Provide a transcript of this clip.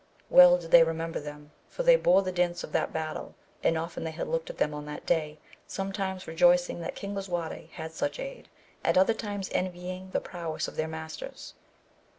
Well did they remember them, for they bore the dints of that battle, and often had they looked at them on that day, some times rejoicing that King Lisuarte had such aid, at other times envying the prowess of their masters.